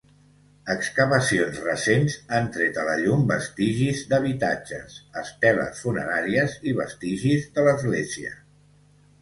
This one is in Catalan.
Excavacions recents han tret a la llum vestigis d'habitatges, esteles funeràries i vestigis de l'església.